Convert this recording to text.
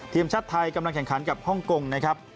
ทีมชาติไทยกำลังแข่งขันกับฮ่องกงนะครับ